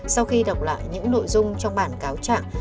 sau khi đọc lại những nội dung trong bản cáo trạng